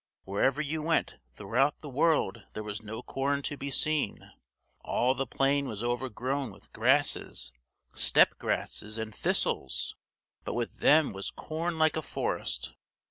Wherever you went throughout the world there was no corn to be seen; all the plain was overgrown with grasses, steppe grasses, and thistles, but with them was corn like a forest.